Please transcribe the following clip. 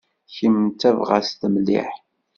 Kemm d tabɣast mliḥ.